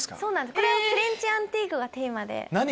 これはフレンチアンティークがテーマで。